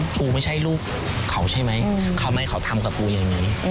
กูไม่ใช่ลูกเขาใช่ไหมทำไมเขาทำกับกูอย่างนี้